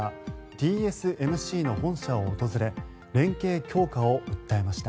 ＴＳＭＣの本社を訪れ連携強化を訴えました。